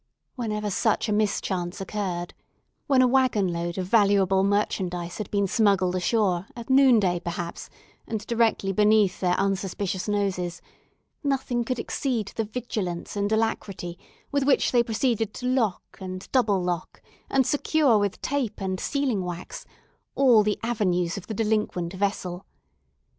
Whenever such a mischance occurred—when a waggon load of valuable merchandise had been smuggled ashore, at noonday, perhaps, and directly beneath their unsuspicious noses—nothing could exceed the vigilance and alacrity with which they proceeded to lock, and double lock, and secure with tape and sealing wax, all the avenues of the delinquent vessel.